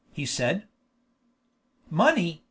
he said. "Money!"